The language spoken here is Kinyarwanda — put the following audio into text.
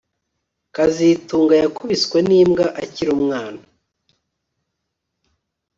kazitunga yakubiswe nimbwa akiri umwana